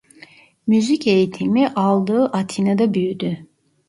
Müzik eğitimi aldığı Atina'da büyüdü.